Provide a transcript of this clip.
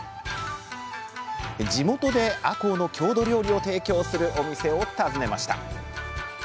地元であこうの郷土料理を提供するお店を訪ねました。